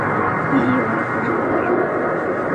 你以为不让我用